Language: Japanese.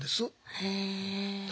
へえ。